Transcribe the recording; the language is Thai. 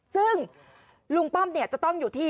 ซึ่งลุงป้อมจะต้องอยู่ที่